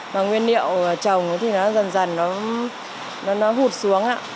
mà nguyên liệu trồng thì nó dần dần nó hụt xuống